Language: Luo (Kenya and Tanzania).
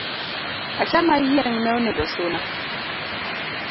Acham ayiengne onego suna